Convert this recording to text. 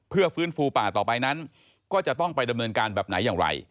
เพื่อฟื้นฟูป่าต่อไปนั้นก็จะต้องไปดำเนินการแบบไหนอย่างไร